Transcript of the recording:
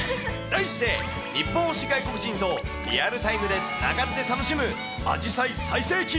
題して、日本推し外国人とリアルタイムでつながって楽しむアジサイ最盛期！